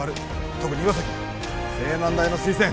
特に岩崎青南大の推薦